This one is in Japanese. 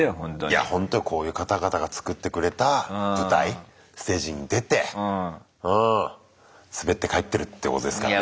いやほんとこういう方々が作ってくれた舞台ステージに出てうんスベって帰ってるってことですからね。